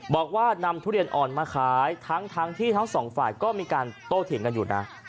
บอกว่านำทุเรียนอ่อนมาขายทั้งที่ทั้งสองฝ่ายก็มีการโต้เถียงกันอยู่นะ